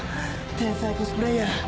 天才コスプレーヤー。